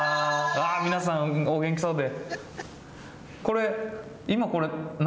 皆さん、お元気そうで。